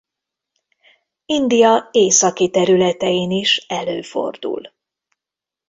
India északi területein is előfordul.